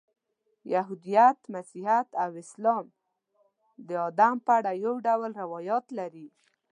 یهودیت، مسیحیت او اسلام د آدم په اړه یو ډول روایات لري.